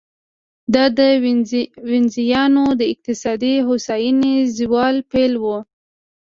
دا د وینزیانو د اقتصادي هوساینې د زوال پیل و